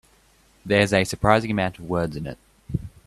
There's a surprising amount of words in it.